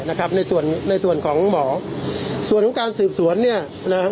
นะครับในส่วนในส่วนของหมอส่วนของการสืบสวนเนี่ยนะฮะ